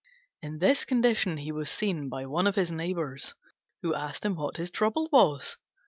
In this condition he was seen by one of his neighbours, who asked him what his trouble was.